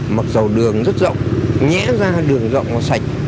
mặc dù đường rất rộng nhẽ ra đường rộng và sạch